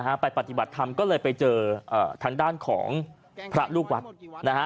ไปปฏิบัติธรรมก็เลยไปเจอเอ่อทางด้านของพระลูกวัดนะฮะ